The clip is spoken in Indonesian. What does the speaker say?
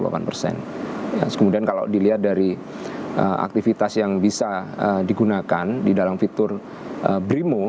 kemudian kalau dilihat dari aktivitas yang bisa digunakan di dalam fitur brimo